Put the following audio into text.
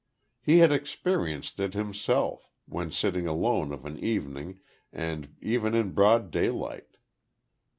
He had experienced it himself, when sitting alone of an evening, and even in broad daylight.